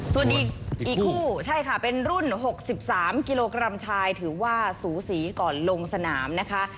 ส่วนอีกคู่ใช่ค่ะเป็นรุ่น๖๓กิโลกรัมชายถือว่าสูสีก่อนลงสนามนะคะ